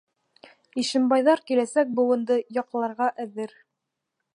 ИШЕМБАЙҘАР КИЛӘСӘК БЫУЫНДЫ ЯҠЛАРҒА ӘҘЕР